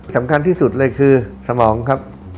สำคัญที่สุดเลยคือสมองครับ